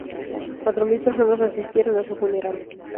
Cuatro mil personas asistieron a su funeral.